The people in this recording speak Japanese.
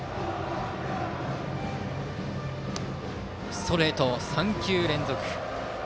ストレート３球連続。